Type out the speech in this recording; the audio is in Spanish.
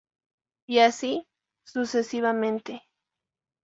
Y así, sucesivamente.